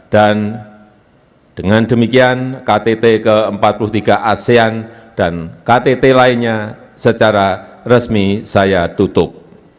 dan dengan demikian ktt ke empat puluh tiga asean dan ktt lainnya secara resmi saya tutup